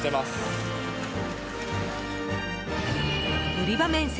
売り場面積